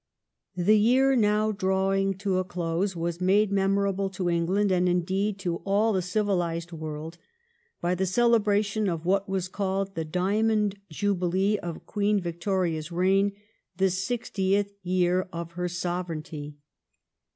The year now drawing to a close was made memorable to England and, indeed, to all the civi hzed world by the celebration of what was called the Diamond Jubilee of Queen Victoria's reign — the sixtieth year of her sovereignty.